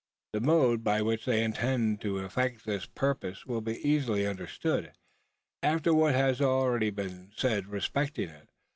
The mode by which they intended to effect this purpose will be easily understood after what has been already said respecting it.